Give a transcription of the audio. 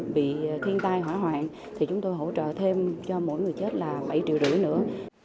bị thiên tai hỏa hoạn thì chúng tôi hỗ trợ thêm cho mỗi người chết là bảy triệu rưỡi nữa